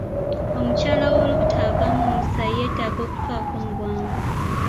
Omukyala ow'Olubuto avaamu Omusaayi yeetaaga okufaako mu bwangu.